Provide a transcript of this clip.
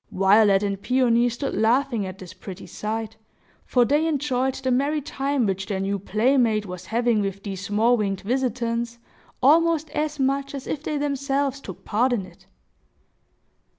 Violet and Peony stood laughing at this pretty sight; for they enjoyed the merry time which their new playmate was having with these small winged visitants, almost as much as if they themselves took part in it.